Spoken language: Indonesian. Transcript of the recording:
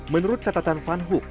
menurut catatan van hoek